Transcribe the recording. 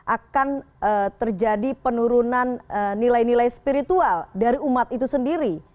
akan terjadi penurunan nilai nilai spiritual dari umat itu sendiri